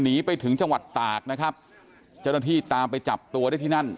หนีไปถึงจังหวัดตากนะครับเจ้าหน้าที่ตามไปจับตัวได้ที่นั่น